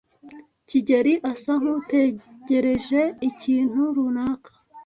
kigeli asa nkutegereje ikintu runaka.